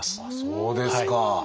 そうですか！